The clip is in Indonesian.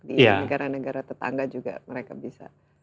di negara negara tetangga juga mereka bisa